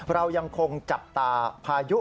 เรายังคงจับตาพายุ